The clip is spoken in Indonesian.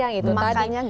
yang itu tadi makanya